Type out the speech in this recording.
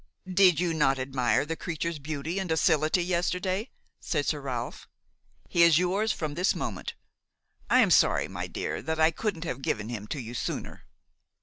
"Did you not admire the creature's beauty and docility yesterday?" said Sir Ralph; "he is yours from this moment. I am sorry, my dear, that I couldn't have given him to you sooner."